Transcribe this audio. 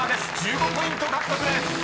［１５ポイント獲得です！］